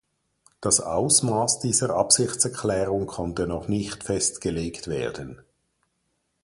Das Ausmaß dieser Absichtserklärung konnte noch nicht festgelegt werden.